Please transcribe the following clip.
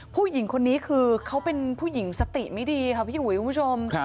ผู้หญิงคนนี้คือเขาเป็นผู้หญิงสติไม่ดีค่ะพี่อุ๋ยคุณผู้ชม